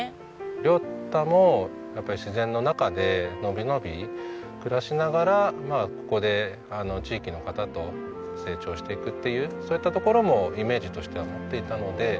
椋太もやっぱり自然の中で伸び伸び暮らしながらここで地域の方と成長していくっていうそういったところもイメージとしては持っていたので。